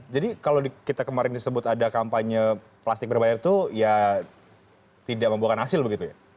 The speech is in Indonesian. jadi kalau kita kemarin disebut ada kampanye plastik berbayar itu ya tidak membuahkan hasil begitu ya